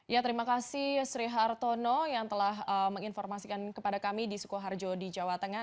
ya terima kasih sri hartono yang telah menginformasikan kepada kami di sukoharjo di jawa tengah